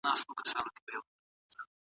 ایا انارګل به د خپلې مور خبره ومني؟